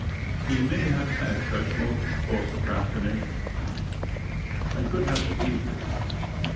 He may have had such motive for procrastination. I could have believed it.